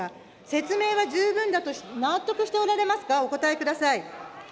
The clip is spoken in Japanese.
説明は十分だと納得しておられますか、お答えください。